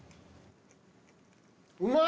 うまい！